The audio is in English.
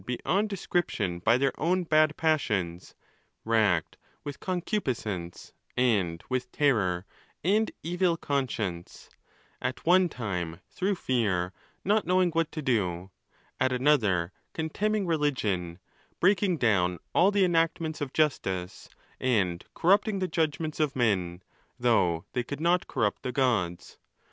beyond description by their own bad passions ; racked with concupiscence, and with terror and evil conscience : at one time through fear not knowing what to do; at another contemning religion, breaking down all the enactments of justice, and corrupting the judgments of men, though they could not corrupt the Gods.